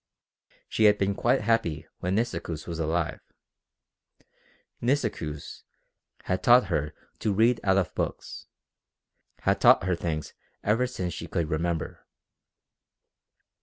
She had been quite happy when Nisikoos was alive. Nisikoos had taught her to read out of books, had taught her things ever since she could remember.